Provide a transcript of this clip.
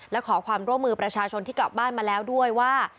และขอความร่วมมือประชาชนที่กลับบ้านมาแล้วด้วยว่า